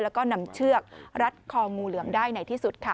แล้วก็นำเชือกรัดคองูเหลือมได้ในที่สุดค่ะ